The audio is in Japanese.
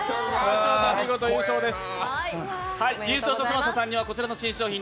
嶋佐さん、見事優勝です。